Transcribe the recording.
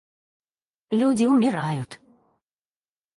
Люди умирают.